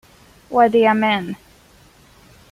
What d'ye mean?